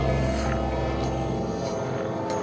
รู้ถึงไหนแล้ว